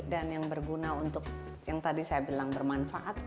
dan yang berguna untuk yang tadi saya bilang bermanfaat